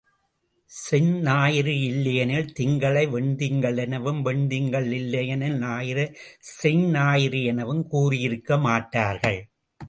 செஞ்ஞாயிறு இல்லையெனில் திங்களை வெண் திங்கள் எனவும், வெண் திங்கள் இல்லையெனில் ஞாயிறை செஞ்ஞாயிறு எனவும் கூறியிருக்க மாட்டார்கள்.